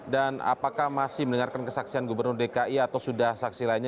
dan apakah masih mendengarkan kesaksian gubernur dki atau sudah saksi lainnya